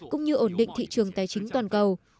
cũng như ổn định thị trường tài chính toàn cầu